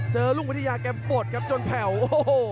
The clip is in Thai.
เจอลุงพิธียาแก่มปลดครับจนแผ่วโอ้โห